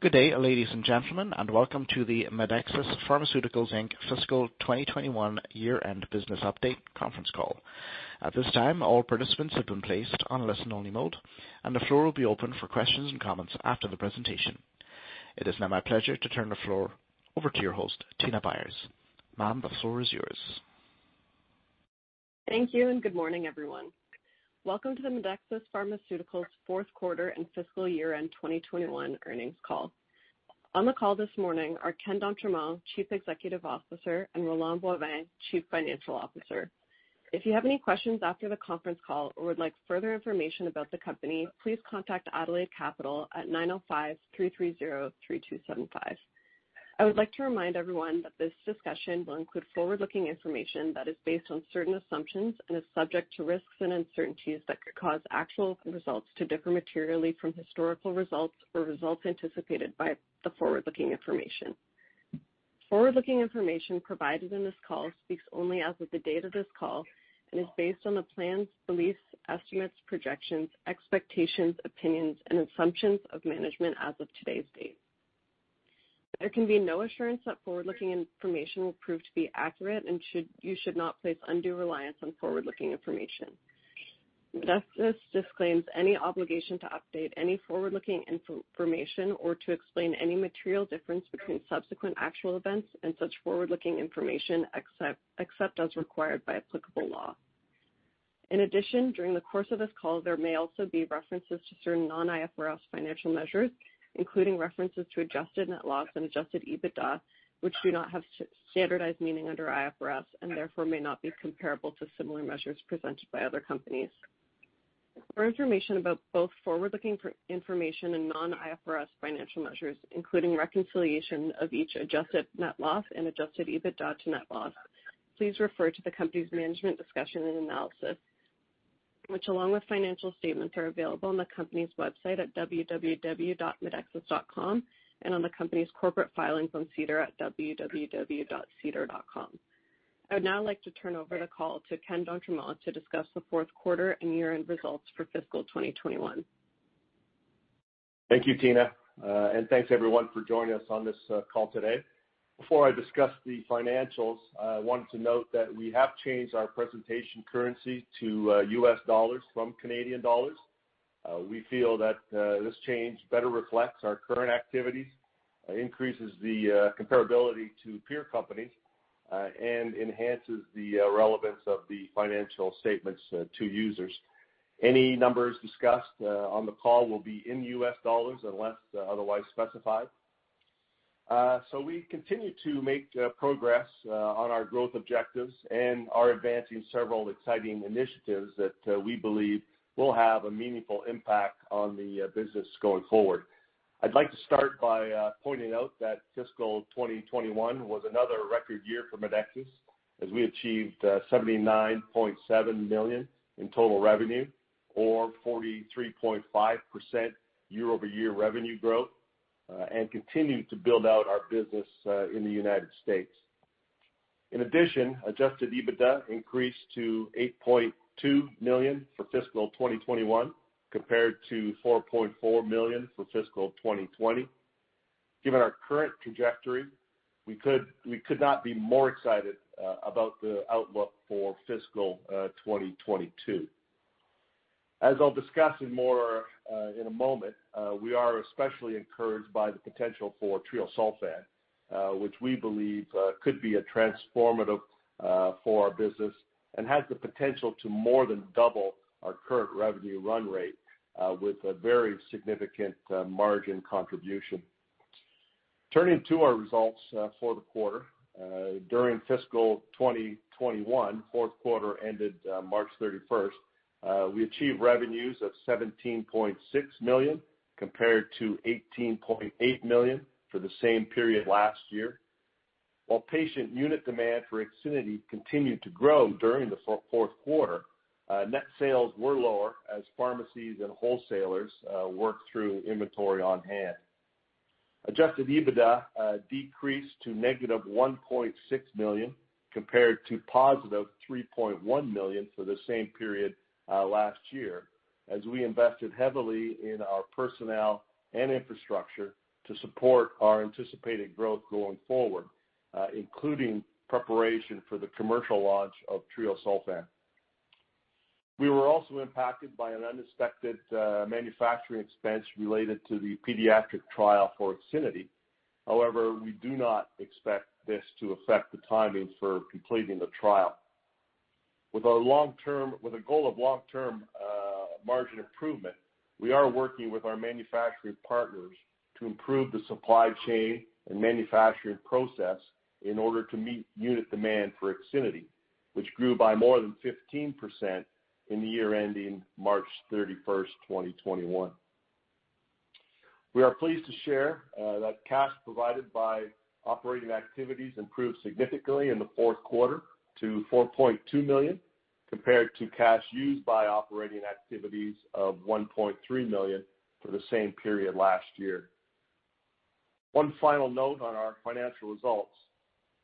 Good day, ladies and gentlemen, and welcome to the Medexus Pharmaceuticals Inc. Fiscal 2021 Year-End Business Update Conference Call. At this time, all participants have been placed on listen-only mode, and the floor will be open for questions and comments after the presentation. It is now my pleasure to turn the floor over to your host, Tina Byers. Ma'am, the floor is yours. Thank you, good morning, everyone. Welcome to the Medexus Pharmaceuticals fourth quarter and fiscal year-end 2021 earnings call. On the call this morning are Ken d'Entremont, Chief Executive Officer, and Roland Boivin, Chief Financial Officer. If you have any questions after the conference call or would like further information about the company, please contact Adelaide Capital at 905-330-3275. I would like to remind everyone that this discussion will include forward-looking information that is based on certain assumptions and is subject to risks and uncertainties that could cause actual results to differ materially from historical results or results anticipated by the forward-looking information. Forward-looking information provided in this call speaks only as of the date of this call and is based on the plans, beliefs, estimates, projections, expectations, opinions, and assumptions of management as of today's date. There can be no assurance that forward-looking information will prove to be accurate, and you should not place undue reliance on forward-looking information. Medexus disclaims any obligation to update any forward-looking information or to explain any material difference between subsequent actual events and such forward-looking information, except as required by applicable law. In addition, during the course of this call, there may also be references to certain non-IFRS financial measures, including references to adjusted net loss and adjusted EBITDA, which do not have standardized meaning under IFRS and therefore may not be comparable to similar measures presented by other companies. For information about both forward-looking information and non-IFRS financial measures, including reconciliation of each adjusted net loss and adjusted EBITDA to net loss, please refer to the company's management discussion and analysis, which along with financial statements, are available on the company's website at www.medexus.com and on the company's corporate filings on SEDAR at www.sedar.com. I'd now like to turn over the call to Ken d'Entremont to discuss the fourth quarter and year-end results for fiscal 2021. Thank you, Tina, and thanks everyone for joining us on this call today. Before I discuss the financials, I wanted to note that we have changed our presentation currency to US dollars from Canadian dollars. We feel that this change better reflects our current activities, increases the comparability to peer companies, and enhances the relevance of the financial statements to users. Any numbers discussed on the call will be in US dollars unless otherwise specified. We continue to make progress on our growth objectives and are advancing several exciting initiatives that we believe will have a meaningful impact on the business going forward. I'd like to start by pointing out that fiscal 2021 was another record year for Medexus as we achieved $79.7 million in total revenue or 43.5% year-over-year revenue growth and continued to build out our business in the United States. In addition, adjusted EBITDA increased to $8.2 million for fiscal 2021, compared to $4.4 million for fiscal 2020. Given our current trajectory, we could not be more excited about the outlook for fiscal 2022. As I'll discuss in more in a moment, we are especially encouraged by the potential for treosulfan, which we believe could be transformative for our business and has the potential to more than double our current revenue run rate with a very significant margin contribution. Turning to our results for the quarter, during fiscal 2021, fourth quarter ended March 31st, we achieved revenues of $17.6 million compared to $18.8 million for the same period last year. While patient unit demand for IXINITY continued to grow during the fourth quarter, net sales were lower as pharmacies and wholesalers worked through inventory on-hand. Adjusted EBITDA decreased to negative $1.6 million compared to positive $3.1 million for the same period last year, as we invested heavily in our personnel and infrastructure to support our anticipated growth going forward, including preparation for the commercial launch of treosulfan. We were also impacted by an unexpected manufacturing expense related to the pediatric trial for IXINITY. We do not expect this to affect the timing for completing the trial. With a goal of long-term margin improvement, we are working with our manufacturing partners to improve the supply chain and manufacturing process in order to meet unit demand for IXINITY, which grew by more than 15% in the year ending March 31st, 2021. We are pleased to share that cash provided by operating activities improved significantly in the fourth quarter to $4.2 million compared to cash used by operating activities of $1.3 million for the same period last year. One final note on our financial results,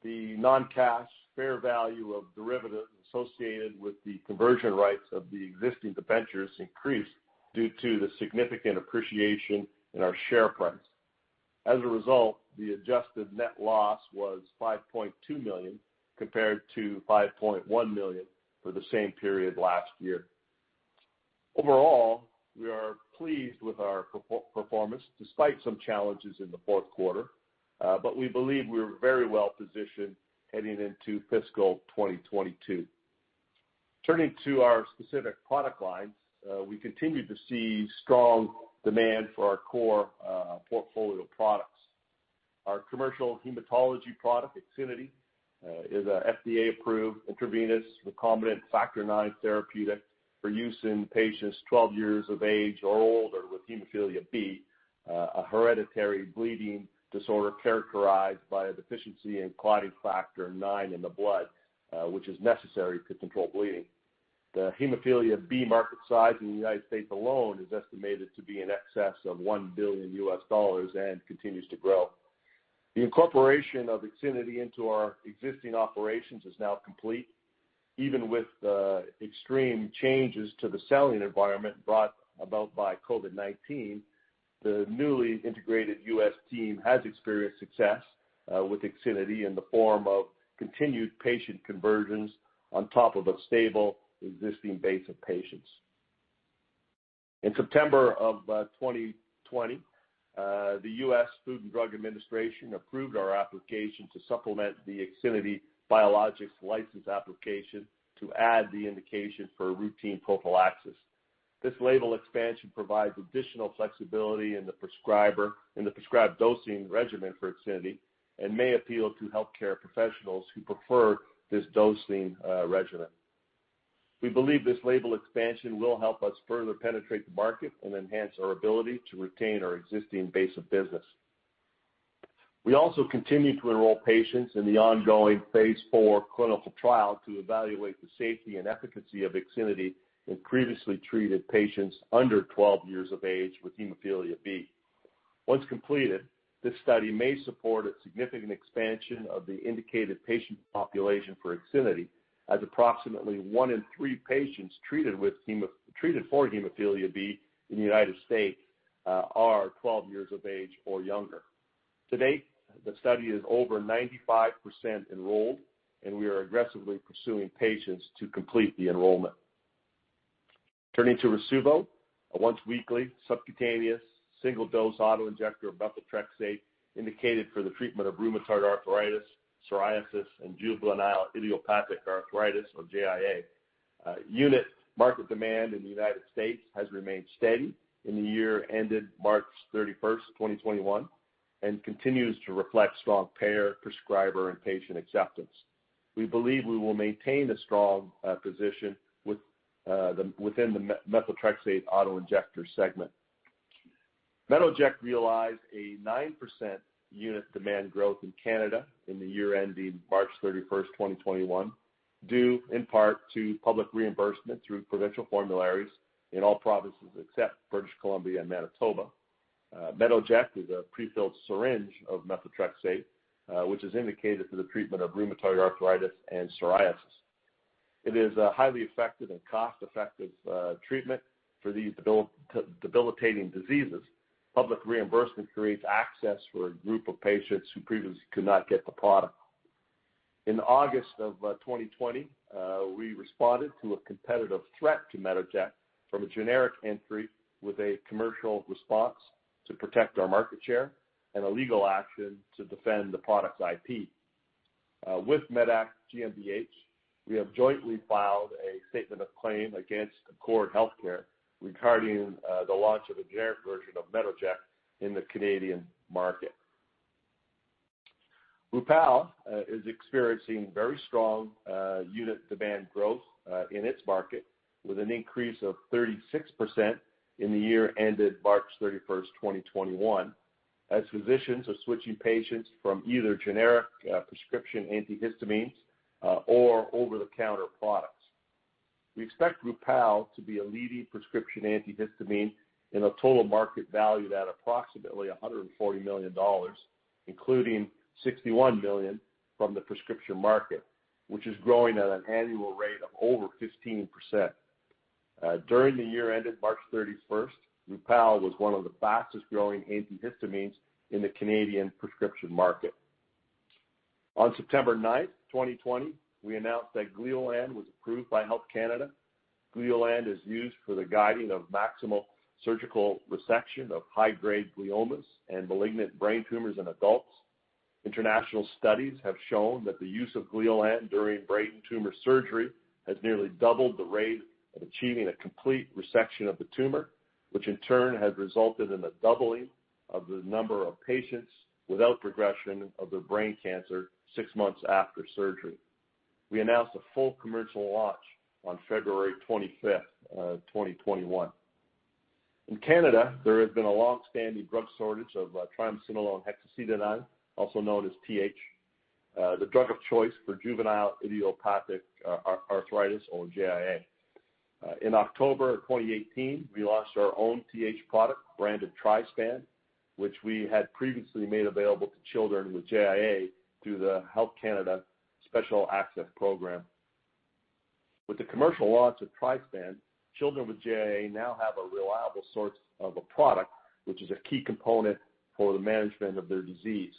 the non-cash fair value of derivative associated with the conversion rights of the existing debentures increased due to the significant appreciation in our share price. The adjusted net loss was $5.2 million compared to $5.1 million for the same period last year. We are pleased with our performance despite some challenges in the fourth quarter, but we believe we're very well positioned heading into fiscal 2022. Turning to our specific product lines, we continue to see strong demand for our core portfolio of products. Our commercial hematology product, IXINITY, is a FDA-approved intravenous recombinant factor IX therapeutic for use in patients 12 years of age or older with hemophilia B, a hereditary bleeding disorder characterized by a deficiency in clotting factor IX in the blood, which is necessary to control bleeding. The hemophilia B market size in the U.S. alone is estimated to be in excess of $1 billion and continues to grow. The incorporation of IXINITY into our existing operations is now complete. Even with the extreme changes to the selling environment brought about by COVID-19, the newly integrated U.S. team has experienced success with IXINITY in the form of continued patient conversions on top of a stable existing base of patients. In September of 2020, the U.S. Food and Drug Administration approved our application to supplement the IXINITY Biologics License Application to add the indication for routine prophylaxis. This label expansion provides additional flexibility in the prescribed dosing regimen for IXINITY and may appeal to healthcare professionals who prefer this dosing regimen. We believe this label expansion will help us further penetrate the market and enhance our ability to retain our existing base of business. We also continue to enroll patients in the ongoing phase IV clinical trial to evaluate the safety and efficacy of IXINITY in previously treated patients under 12 years of age with hemophilia B. Once completed, this study may support a significant expansion of the indicated patient population for IXINITY as approximately one in three patients treated for hemophilia B in the U.S. are 12 years of age or younger. To date, the study is over 95% enrolled, and we are aggressively pursuing patients to complete the enrollment. Turning to Rasuvo, a once-weekly subcutaneous single-dose auto-injector of methotrexate indicated for the treatment of rheumatoid arthritis, psoriasis, and juvenile idiopathic arthritis or JIA. Unit market demand in the United States has remained steady in the year ended March 31, 2021, and continues to reflect strong payer, prescriber, and patient acceptance. We believe we will maintain a strong position within the methotrexate auto-injector segment. Metoject realized a 9% unit demand growth in Canada in the year ending March 31, 2021, due in part to public reimbursement through provincial formularies in all provinces except British Columbia and Manitoba. Metoject is a prefilled syringe of methotrexate, which is indicated for the treatment of rheumatoid arthritis and psoriasis. It is a highly effective and cost-effective treatment for these debilitating diseases. Public reimbursement creates access for a group of patients who previously could not get the product. In August of 2020, we responded to a competitive threat to Metoject from a generic entry with a commercial response to protect our market share and a legal action to defend the product's IP. With medac GmbH, we have jointly filed a statement of claim against Accord Healthcare regarding the launch of a generic version of Metoject in the Canadian market. Rupall is experiencing very strong unit demand growth in its market with an increase of 36% in the year ended March 31st, 2021, as physicians are switching patients from either generic prescription antihistamines or over-the-counter products. We expect Rupall to be a leading prescription antihistamine in a total market valued at approximately 140 million dollars, including 61 million from the prescription market, which is growing at an annual rate of over 15%. During the year ended March 31st, Rupall was one of the fastest-growing antihistamines in the Canadian prescription market. On September 9th, 2020, we announced that Gleolan was approved by Health Canada. Gleolan is used for the guiding of maximal surgical resection of high-grade gliomas and malignant brain tumors in adults. International studies have shown that the use of Gleolan during brain tumor surgery has nearly doubled the rate of achieving a complete resection of the tumor, which in turn has resulted in the doubling of the number of patients without progression of their brain cancer six months after surgery. We announced a full commercial launch on February 25th, 2021. In Canada, there has been a longstanding drug shortage oftriamcinolone hexacetonide, also known as TH, the drug of choice for juvenile idiopathic arthritis or JIA. In October of 2018, we launched our own TH product, branded Trispan, which we had previously made available to children with JIA through the Health Canada Special Access Programme. With the commercial launch of Trispan, children with JIA now have a reliable source of a product, which is a key component for the management of their disease.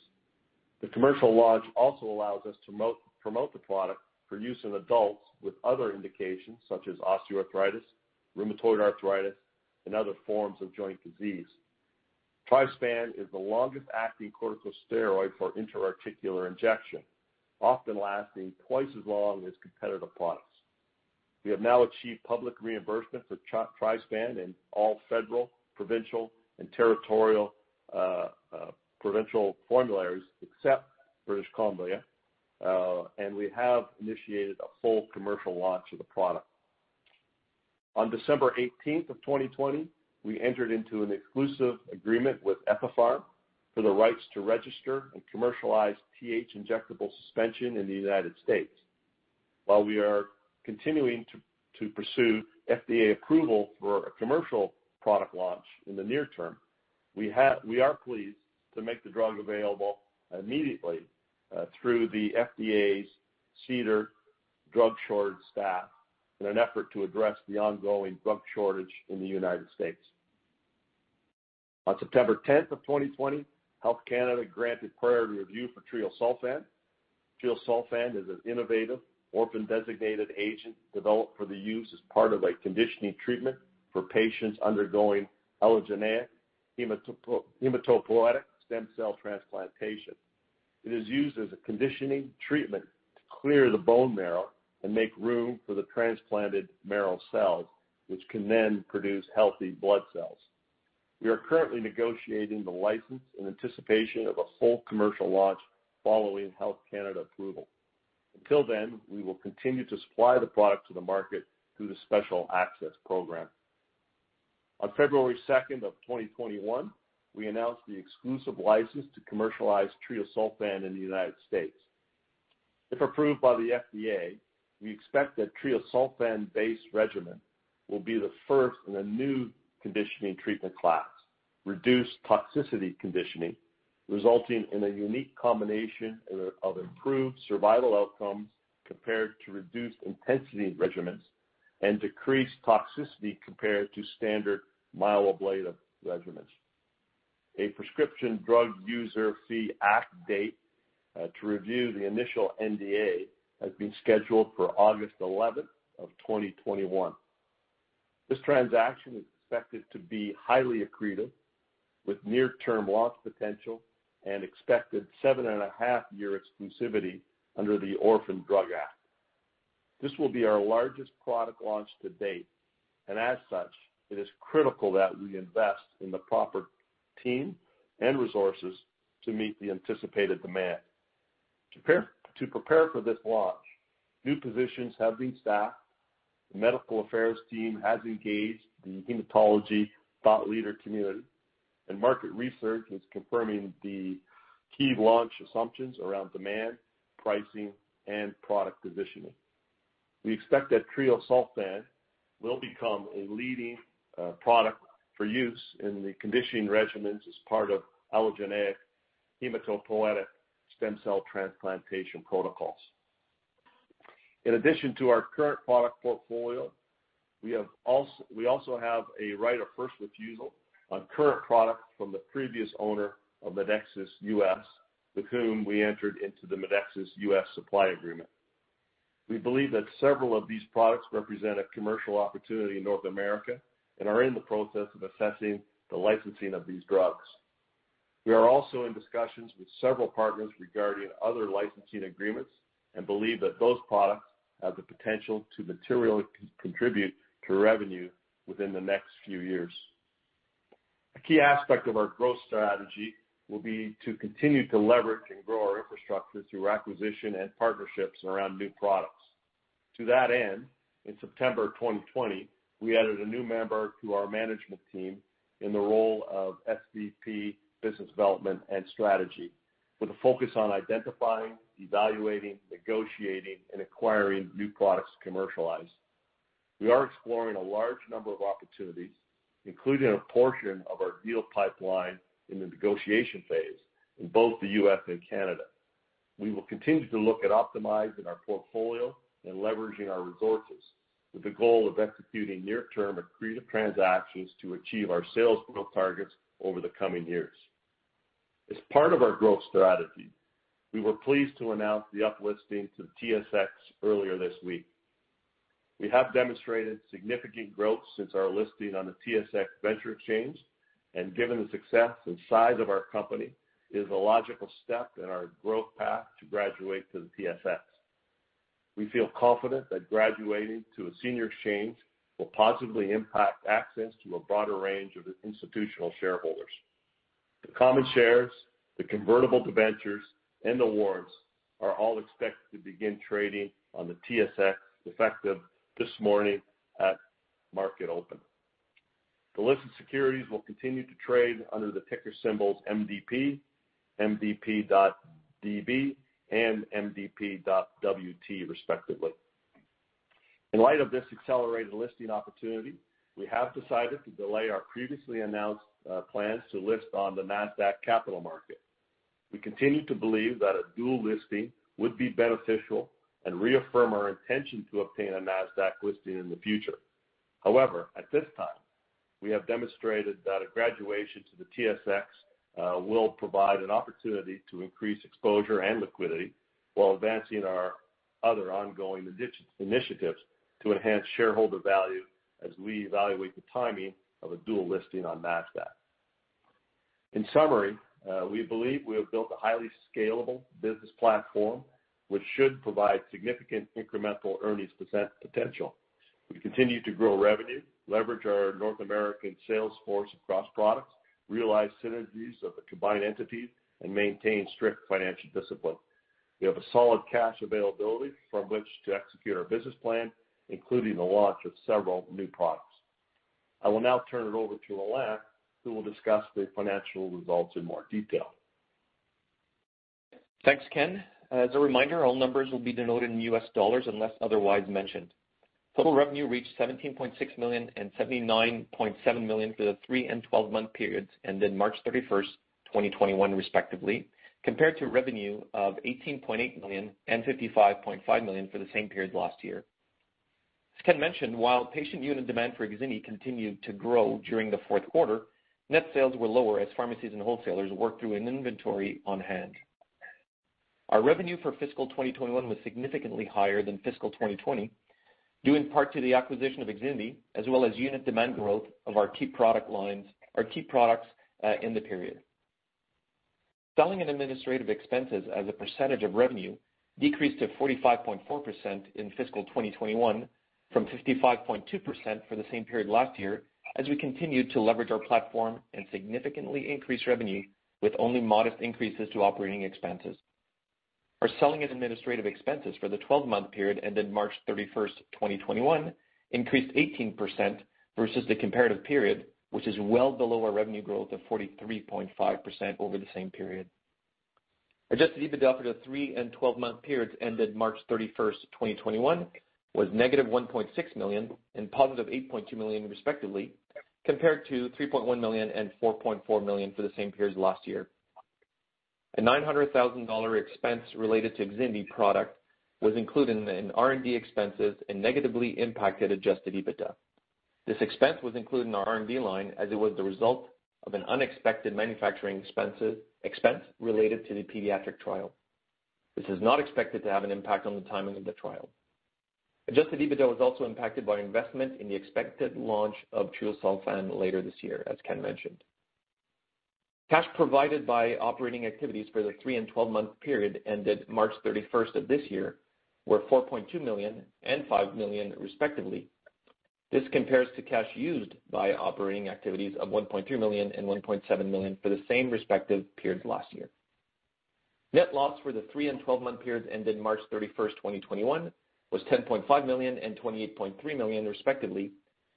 The commercial launch also allows us to promote the product for use in adults with other indications such as osteoarthritis, rheumatoid arthritis, and other forms of joint disease. Trispan is the longest-acting corticosteroid for intra-articular injection, often lasting twice as long as competitive products. We have now achieved public reimbursement for Trispan in all federal, provincial, and territorial provincial formularies, except British Columbia, and we have initiated a full commercial launch of the product. On December 18th of 2020, we entered into an exclusive agreement with Ethypharm for the rights to register and commercialize TH injectable suspension in the U.S. While we are continuing to pursue FDA approval for a commercial product launch in the near term, we are pleased to make the drug available immediately through the FDA's CDER drug shortage staff in an effort to address the ongoing drug shortage in the United States. On September 10th of 2020, Health Canada granted priority review for treosulfan. treosulfan is an innovative orphan-designated agent developed for the use as part of a conditioning treatment for patients undergoing allogeneic hematopoietic stem cell transplantation. It is used as a conditioning treatment to clear the bone marrow and make room for the transplanted marrow cells, which can then produce healthy blood cells. We are currently negotiating the license in anticipation of a full commercial launch following Health Canada approval. Until then, we will continue to supply the product to the market through the Health Canada Special Access Programme. On February 2nd of 2021, we announced the exclusive license to commercialize treosulfan in the U.S. If approved by the FDA, we expect that treosulfan-based regimen will be the first in a new conditioning treatment class, reduced-toxicity conditioning, resulting in a unique combination of improved survival outcomes compared to reduced intensity regimens and decreased toxicity compared to standard myeloablative regimens. A Prescription Drug User Fee Act date to review the initial NDA has been scheduled for August 11th of 2021. This transaction is expected to be highly accretive with near-term launch potential and expected 7 and a half year exclusivity under the Orphan Drug Act. This will be our largest product launch to date, and as such, it is critical that we invest in the proper team and resources to meet the anticipated demand. To prepare for this launch, new positions have been staffed, the medical affairs team has engaged the hematology thought leader community, and market research is confirming the key launch assumptions around demand, pricing, and product positioning. We expect that treosulfan will become a leading product for use in the conditioning regimens as part of allogeneic hematopoietic stem cell transplantation protocols. In addition to our current product portfolio, we also have a right of first refusal on current products from the previous owner of Medexus US, with whom we entered into the Medexus US supply agreement. We believe that several of these products represent a commercial opportunity in North America and are in the process of assessing the licensing of these drugs. We are also in discussions with several partners regarding other licensing agreements and believe that those products have the potential to materially contribute to revenue within the next few years. A key aspect of our growth strategy will be to continue to leverage and grow our infrastructure through acquisition and partnerships around new products. To that end, in September 2020, we added a new member to our management team in the role of SVP business development and strategy with a focus on identifying, evaluating, negotiating, and acquiring new products to commercialize. We are exploring a large number of opportunities, including a portion of our deal pipeline in the negotiation phase in both the U.S. and Canada. We will continue to look at optimizing our portfolio and leveraging our resources with the goal of executing near-term accretive transactions to achieve our sales growth targets over the coming years. As part of our growth strategy, we were pleased to announce the up-listing to TSX earlier this week. We have demonstrated significant growth since our listing on the TSX Venture Exchange. Given the success and size of our company, it is a logical step in our growth path to graduate to the TSX. We feel confident that graduating to a senior exchange will positively impact access to a broader range of institutional shareholders. The common shares, the convertible debentures, and the warrants are all expected to begin trading on the TSX effective this morning at market open. The listed securities will continue to trade under the ticker symbols MDP.DB, and MDP.WT, respectively. In light of this accelerated listing opportunity, we have decided to delay our previously announced plans to list on the Nasdaq Capital Market. We continue to believe that a dual listing would be beneficial and reaffirm our intention to obtain a Nasdaq listing in the future. However, at this time, we have demonstrated that a graduation to the TSX will provide an opportunity to increase exposure and liquidity while advancing our other ongoing initiatives to enhance shareholder value as we evaluate the timing of a dual listing on Nasdaq. In summary, we believe we have built a highly scalable business platform, which should provide significant incremental earnings potential. We continue to grow revenue, leverage our North American sales force across products, realize synergies of the combined entities, and maintain strict financial discipline. We have a solid cash availability from which to execute our business plan, including the launch of several new products. I will now turn it over to Boivin, who will discuss the financial results in more detail. Thanks, Ken. As a reminder, all numbers will be denoted in US dollars unless otherwise mentioned. Total revenue reached $17.6 million and $79.7 million for the three and 12-month periods ended March 31st, 2021, respectively, compared to revenue of $18.8 million and $55.5 million for the same period last year. As Ken mentioned, while patient unit demand for IXINITY continued to grow during the fourth quarter, net sales were lower as pharmacies and wholesalers worked through an inventory on hand. Our revenue for fiscal 2021 was significantly higher than fiscal 2020, due in part to the acquisition of IXINITY, as well as unit demand growth of our key products in the period. Selling and administrative expenses as a percentage of revenue decreased to 45.4% in fiscal 2021 from 55.2% for the same period last year, as we continued to leverage our platform and significantly increase revenue with only modest increases to operating expenses. Our selling and administrative expenses for the 12-month period ended March 31st, 2021, increased 18% versus the comparative period, which is well below our revenue growth of 43.5% over the same period. adjusted EBITDA for the three and 12-month periods ended March 31st, 2021, was negative $1.6 million and positive $8.2 million, respectively, compared to $3.1 million and $4.4 million for the same periods last year. A $900,000 expense related to IXINITY product was included in the R&D expenses and negatively impacted adjusted EBITDA. This expense was included in our R&D line as it was the result of an unexpected manufacturing expense related to the pediatric trial. This is not expected to have an impact on the timing of the trial. adjusted EBITDA was also impacted by investment in the expected launch of treosulfan later this year, as Ken mentioned. Cash provided by operating activities for the three and 12-month period ended March 31 of this year were $4.2 million and $5 million, respectively. This compares to cash used by operating activities of $1.3 million and $1.7 million for the same respective periods last year. Net loss for the three and 12-month periods ended March 31, 2021, was $10.5 million and $28.3 million, respectively,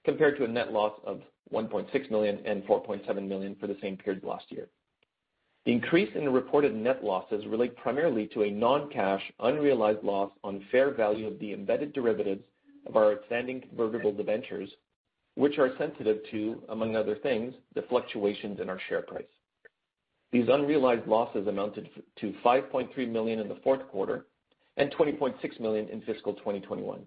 compared to a net loss of $1.6 million and $4.7 million for the same periods last year. The increase in the reported net losses relate primarily to a non-cash unrealized loss on fair value of the embedded derivatives of our outstanding convertible debentures, which are sensitive to, among other things, the fluctuations in our share price. These unrealized losses amounted to $5.3 million in the fourth quarter and $20.6 million in fiscal 2021.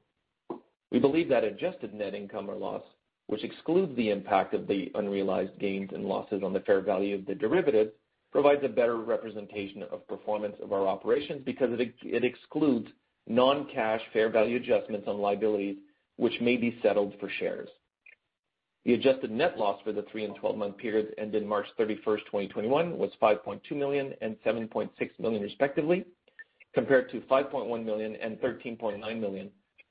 We believe that adjusted net income or loss, which excludes the impact of the unrealized gains and losses on the fair value of the derivative, provides a better representation of performance of our operations because it excludes non-cash fair value adjustments on liabilities which may be settled for shares. The adjusted net loss for the three and 12-month periods ended March 31st, 2021, was $5.2 million and $7.6 million, respectively, compared to $5.1 million and $13.9 million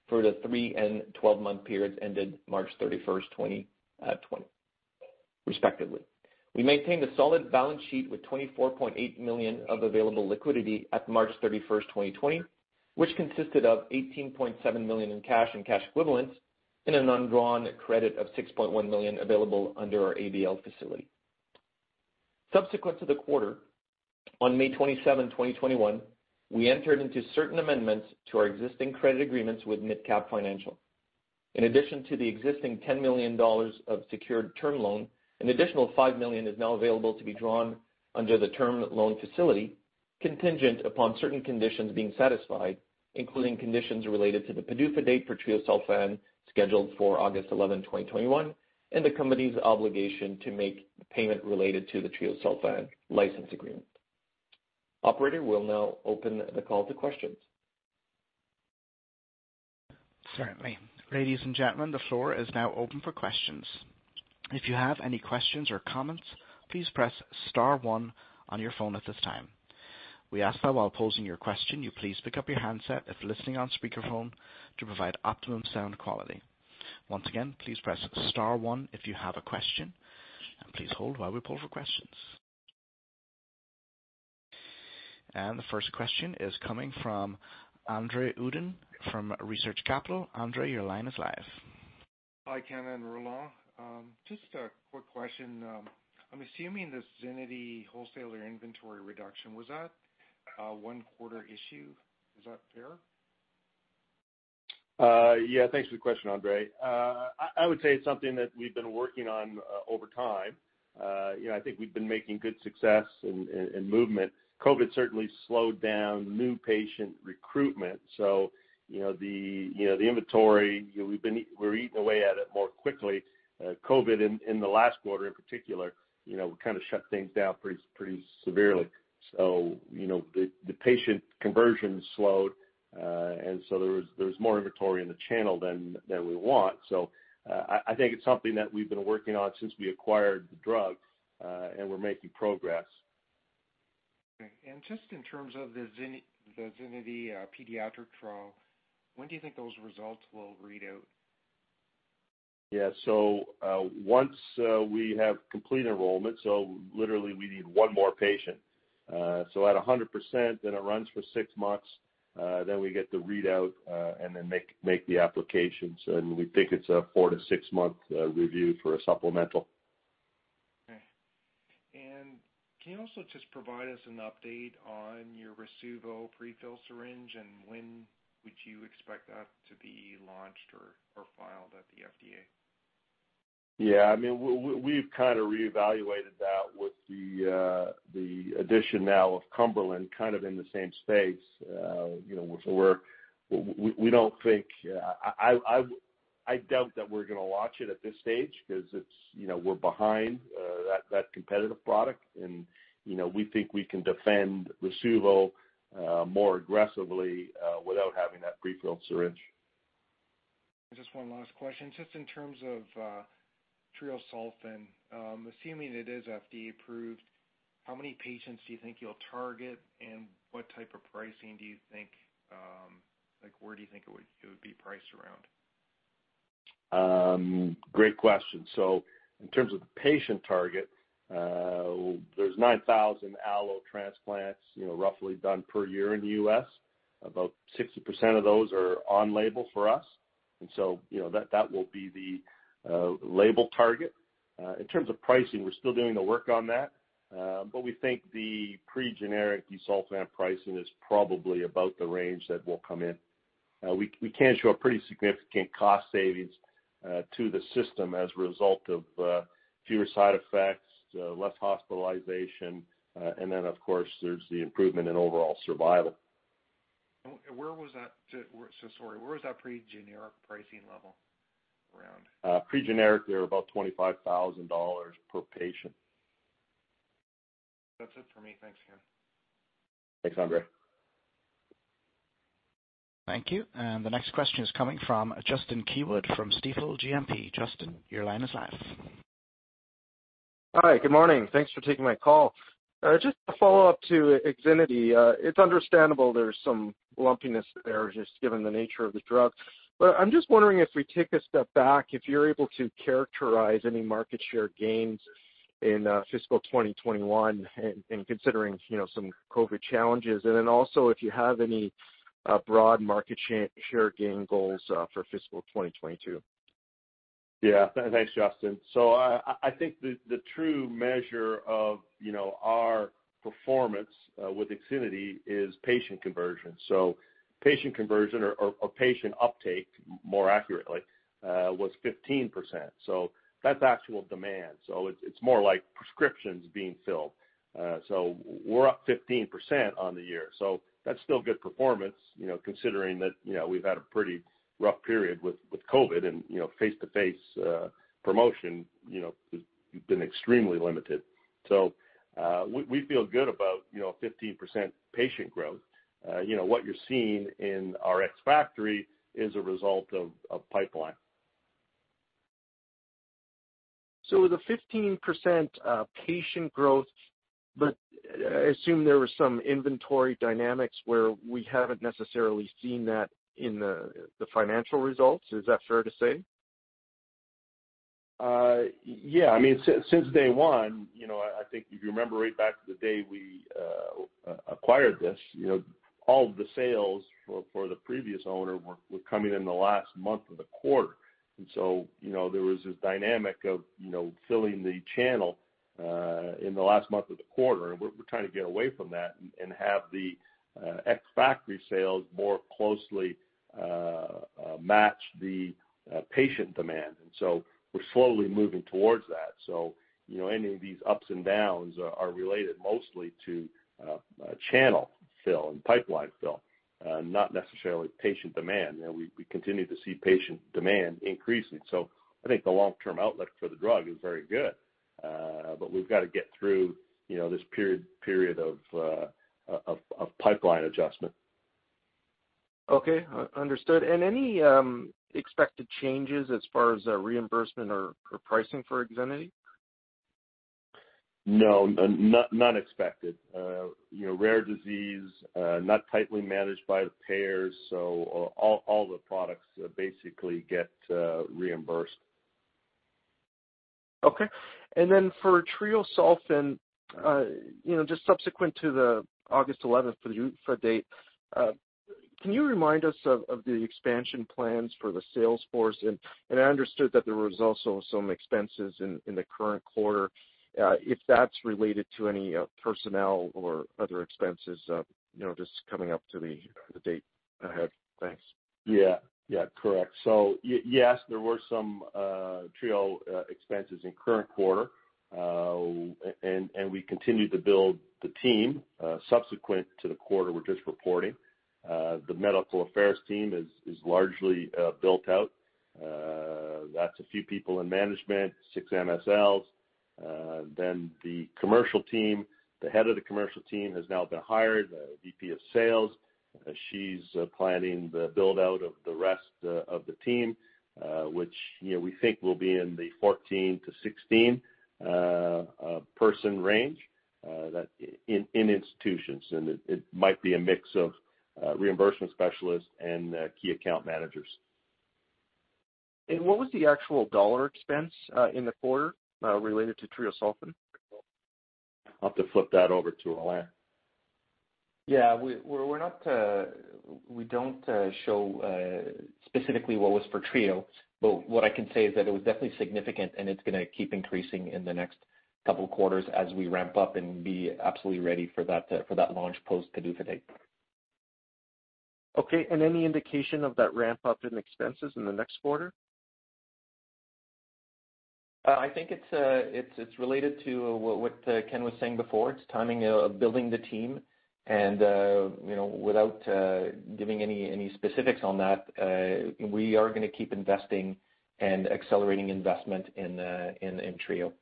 for the three and 12-month periods ended March 31st, 2020, respectively. We maintained a solid balance sheet with $24.8 million of available liquidity at March 31st, 2020, which consisted of $18.7 million in cash and cash equivalents and an undrawn credit of $ 6.1 million available under our ABL facility. Subsequent to the quarter, on May 27th, 2021, we entered into certain amendments to our existing credit agreements with MidCap Financial. In addition to the existing 10 million dollars of secured term loan, an additional $5 million is now available to be drawn under the term loan facility contingent upon certain conditions being satisfied, including conditions related to the PDUFA date for treosulfan scheduled for August 11th, 2021, and the Company's obligation to make payment related to the treosulfan license agreement. Operator, we'll now open the call to questions. Certainly. Ladies and gentlemen, the floor is now open for questions. If you have any questions or comments, please press star one on your phone at this time. We ask that while posing your question, you please pick up your handset if listening on speakerphone to provide optimum sound quality. Once again, please press star one if you have a question, and please hold while we pull for questions. The first question is coming from Andre Uddin from Research Capital. Andre, your line is live. Hi, Ken and Roland. Just a quick question. I'm assuming the IXINITY wholesaler inventory reduction, was that a one-quarter issue? Is that fair? Yeah. Thanks for the question, Andre. I would say it's something that we've been working on over time. I think we've been making good success and movement. COVID certainly slowed down new patient recruitment, so the inventory, we're eating away at it more quickly. COVID in the last quarter in particular, kind of shut things down pretty severely. The patient conversion slowed, and so there was more inventory in the channel than we want. I think it's something that we've been working on since we acquired the drug, and we're making progress. Okay. Just in terms of the IXINITY pediatric trial, when do you think those results will read out? Yeah. Once we have complete enrollment, so literally we need one more patient. At 100%, then it runs for 6 months, then we get the readout, and then make the applications, and we think it's a four- six month review for a supplemental. Okay. Can you also just provide us an update on your Rasuvo prefill syringe, and when would you expect that to be launched or filed at the FDA? Yeah, we've kind of reevaluated that with the addition now of Cumberland kind of in the same space. I doubt that we're going to launch it at this stage because we're behind that competitive product, and we think we can defend Rasuvo more aggressively without having that prefilled syringe. Just one last question. Just in terms of treosulfan, assuming it is FDA approved, how many patients do you think you'll target, and what type of pricing do you think, like where do you think it would be priced around? Great question. In terms of the patient target, there's 9,000 allo transplants roughly done per year in the U.S. About 60% of those are on label for us. That will be the label target. In terms of pricing, we're still doing the work on that. We think the pre-generic busulfan pricing is probably about the range that we'll come in. We can show a pretty significant cost savings to the system as a result of fewer side effects, less hospitalization, and then, of course, there's the improvement in overall survival. Sorry, where was that pre-generic pricing level around? Pre-generic, they're about $25,000 per patient. That's it for me. Thanks, Ken. Thanks, Andre. Thank you. The next question is coming from Justin Keywood from Stifel GMP. Justin, your line is live. Hi. Good morning. Thanks for taking my call. Just to follow up to IXINITY. It's understandable there's some lumpiness there, just given the nature of the drug. I'm just wondering if we take a step back, if you're able to characterize any market share gains in fiscal 2021 and considering some COVID challenges. Also, if you have any broad market share gain goals for fiscal 2022. Yeah. Thanks, Justin. I think the true measure of our performance with IXINITY is patient conversion. Patient conversion or patient uptake more accurately, was 15%. That's actual demand. It's more like prescriptions being filled. We're up 15% on the year, that's still good performance considering that we've had a pretty rough period with COVID-19 and face-to-face promotion has been extremely limited. We feel good about 15% patient growth. What you're seeing in our ex factory is a result of pipeline. The 15% patient growth, but I assume there was some inventory dynamics where we haven't necessarily seen that in the financial results. Is that fair to say? Yeah. Since day one, I think if you remember right back to the day we acquired this, all of the sales for the previous owner were coming in the last month of the quarter. There was this dynamic of filling the channel in the last month of the quarter, and we're trying to get away from that and have the ex factory sales more closely match the patient demand. We're slowly moving towards that. Any of these ups and downs are related mostly to channel fill and pipeline fill, not necessarily patient demand. We continue to see patient demand increasing. I think the long-term outlook for the drug is very good. We've got to get through this period of pipeline adjustment. Okay, understood. Any expected changes as far as reimbursement or pricing for IXINITY? No, none expected. Rare disease, not tightly managed by the payers, so all the products basically get reimbursed Okay. For treosulfan, just subsequent to the August 11th FDA date, can you remind us of the expansion plans for the sales force? I understood that there was also some expenses in the current quarter, if that's related to any personnel or other expenses, just coming up to the date ahead. Thanks. Yeah. Correct. Yes, there were some treosulfan expenses in current quarter. We continued to build the team subsequent to the quarter we're just reporting. The medical affairs team is largely built out. That's a few people in management, 6 MSLs. The commercial team, the head of the commercial team has now been hired, the VP of sales. She's planning the build-out of the rest of the team, which we think will be in the 14-16 person range, in institutions. It might be a mix of reimbursement specialists and key account managers. What was the actual dollar expense in the quarter related to treosulfan? I'll have to flip that over to Boivin. Yeah, we don't show specifically what was for treosulfan, but what I can say is that it was definitely significant, and it's going to keep increasing in the next couple of quarters as we ramp up and be absolutely ready for that launch post FDA date. Okay, any indication of that ramp-up in expenses in the next quarter? I think it's related to what Ken was saying before. It's timing of building the team and without giving any specifics on that, we are going to keep investing and accelerating investment in treosulfan.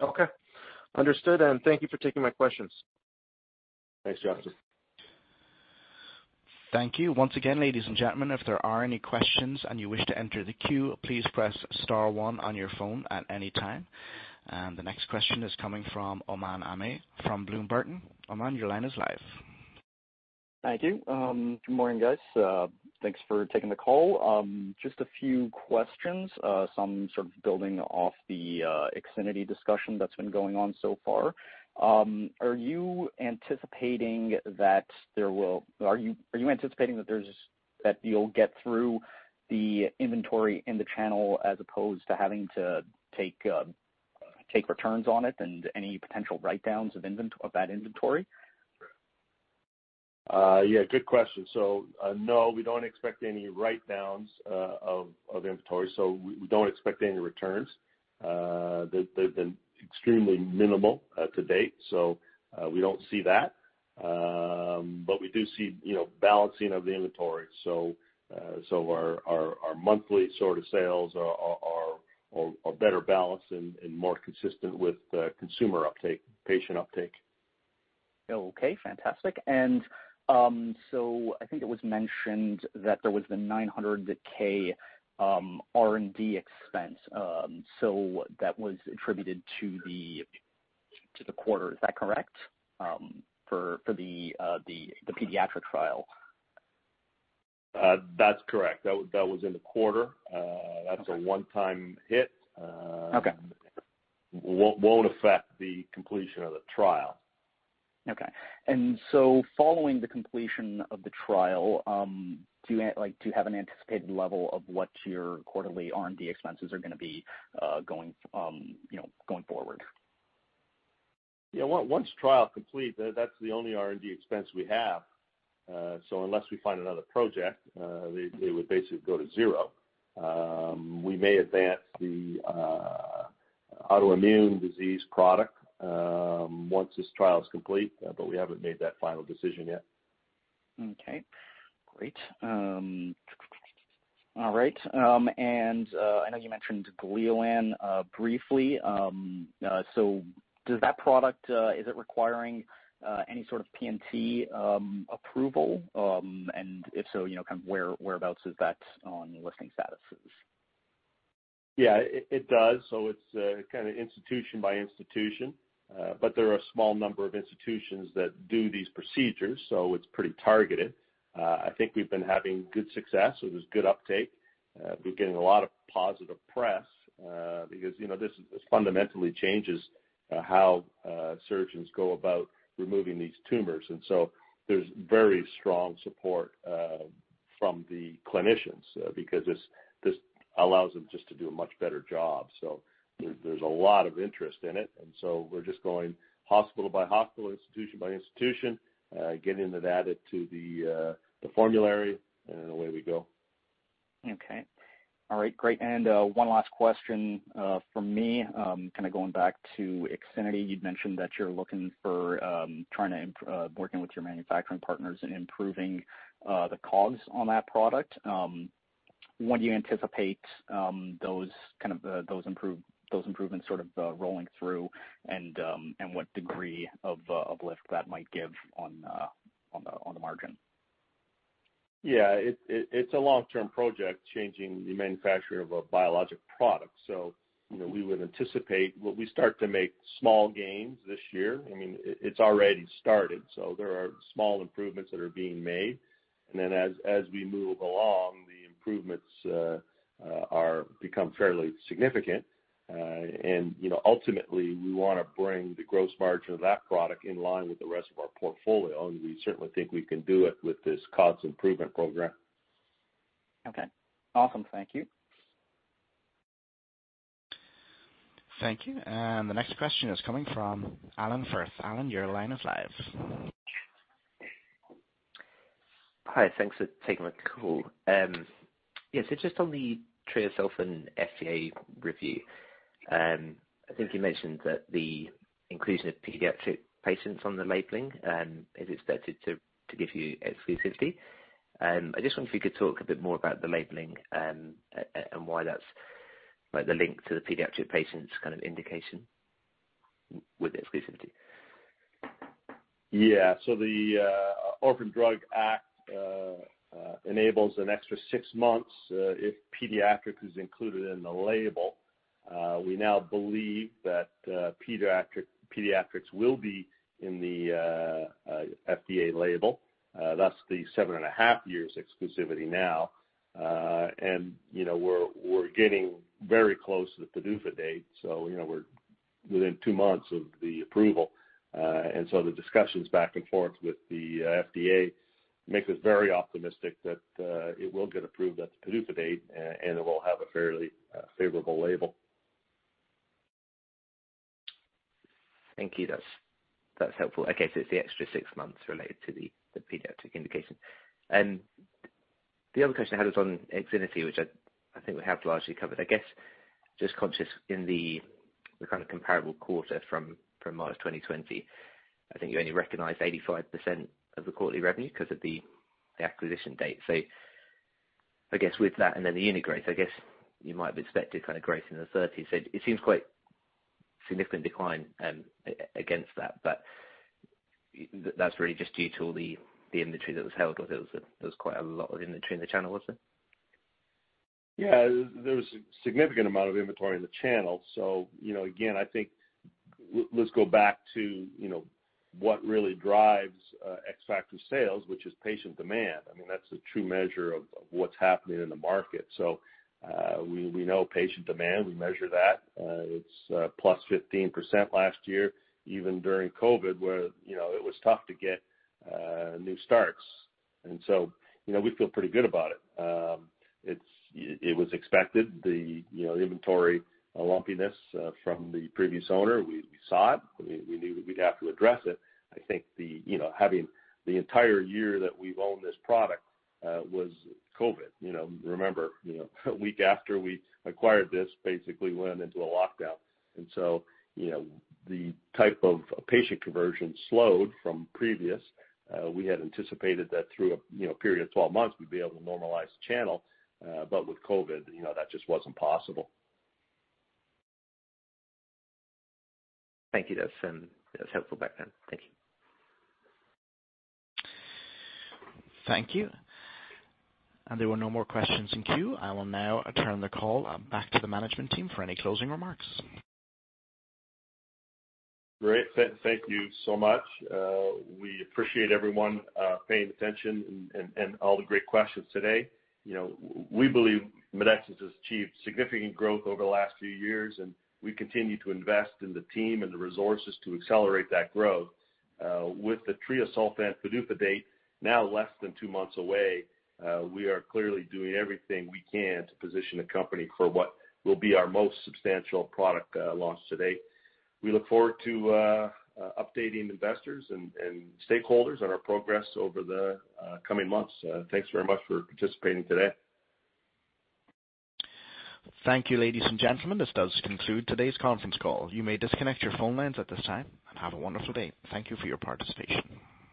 Okay. Understood. Thank you for taking my questions. Thanks, Justin. Thank you. Once again, ladies and gentlemen, if there are any questions and you wish to enter the queue, please press star one on your phone at any time. The next question is coming from Oman Amy from Bloomberg. Oman, your line is live. Thank you. Good morning, guys. Thanks for taking the call. Just a few questions, some sort of building off the IXINITY discussion that's been going on so far. Are you anticipating that you'll get through the inventory in the channel as opposed to having to take returns on it and any potential write-downs of that inventory? Good question. No, we don't expect any write-downs of inventory. We don't expect any returns. They've been extremely minimal to date, so we don't see that. We do see balancing of the inventory. Our monthly sort of sales are a better balance and more consistent with consumer uptake, patient uptake. Okay, fantastic. I think it was mentioned that there was a $900,000 R&D expense. That was attributed to the quarter, is that correct? For the pediatric trial. That's correct. That was in the quarter. Okay. That's a one-time hit. Okay. Won't affect the completion of the trial. Okay. Following the completion of the trial, do you have an anticipated level of what your quarterly R&D expenses are going to be going forward? Yeah. Once trial complete, that's the only R&D expense we have. Unless we find another project, it would basically go to zero. We may advance the autoimmune disease product, once this trial is complete, but we haven't made that final decision yet. Okay, great. All right. I know you mentioned Gleolan briefly. Does that product, is it requiring any sort of P&T approval? If so, whereabouts is that on listing statuses? Yeah, it does. It's kind of institution by institution. There are a small number of institutions that do these procedures, so it's pretty targeted. I think we've been having good success. There's good uptake. We're getting a lot of positive press, because this fundamentally changes how surgeons go about removing these tumors. There's very strong support from the clinicians, because this allows them just to do a much better job. There's a lot of interest in it, we're just going hospital by hospital, institution by institution, getting it added to the formulary and away we go. Okay. All right, great. One last question from me, kind of going back to IXINITY. You mentioned that you're looking for trying to work with your manufacturing partners and improving the COGS on that product. When do you anticipate those improvements sort of rolling through and what degree of lift that might give on the margin? Yeah, it's a long-term project changing the manufacture of a biologic product. We would anticipate we start to make small gains this year. I mean, it's already started, so there are small improvements that are being made. As we move along improvements have become fairly significant. Ultimately, we want to bring the gross margin of that product in line with the rest of our portfolio, and we certainly think we can do it with this cost improvement program. Okay. Awesome. Thank you. Thank you. The next question is coming from Alan Firth. Alan, your line is live. Hi. Thanks for taking the call. Just on the treosulfan FDA review. I think you mentioned that the inclusion of pediatric patients on the labeling is expected to give you exclusivity. I just wonder if you could talk a bit more about the labeling and why that's the link to the pediatric patients indication with exclusivity. The Orphan Drug Act enables an extra six months if pediatric is included in the label. We now believe that pediatrics will be in the FDA label. That's the seven and a half years exclusivity now. We're getting very close to the PDUFA date. We're within two months of the approval. The discussions back and forth with the FDA makes us very optimistic that it will get approved at the PDUFA date, and it will have a fairly favorable label. Thank you. That's helpful. It's the extra six months related to the pediatric indication. The other question I had was on IXINITY, which I think we have largely covered. Just conscious in the comparable quarter from March 2020, I think you only recognized 85% of the quarterly revenue because of the acquisition date. I guess with that and then the integrates, you might have expected growth in the 30s. It seems quite a significant decline against that. That's really just due to all the inventory that was held, or there was quite a lot of inventory in the channel, was there? Yeah, there was a significant amount of inventory in the channel. Again, let's go back to what really drives ex factory sales, which is patient demand. That's the true measure of what's happening in the market. We know patient demand. We measure that. It's plus 15% last year, even during COVID, where it was tough to get new starts. We feel pretty good about it. It was expected, the inventory lumpiness from the previous owner. We saw it. We knew we'd have to address it. Having the entire year that we've owned this product was COVID. Remember, a week after we acquired this, basically went into a lockdown. The type of patient conversion slowed from previous. We had anticipated that through a period of 12 months, we'd be able to normalize the channel. With COVID, that just wasn't possible. Thank you. That is helpful background. Thank you. Thank you. There were no more questions in queue. I will now return the call back to the management team for any closing remarks. Great. Thank you so much. We appreciate everyone paying attention and all the great questions today. We believe Medexus has achieved significant growth over the last few years, and we continue to invest in the team and the resources to accelerate that growth. With the treosulfan PDUFA date now less than two months away, we are clearly doing everything we can to position the company for what will be our most substantial product launch to date. We look forward to updating investors and stakeholders on our progress over the coming months. Thanks very much for participating today. Thank you, ladies and gentlemen. This does conclude today's conference call. You may disconnect your phone lines at this time and have a wonderful day. Thank you for your participation.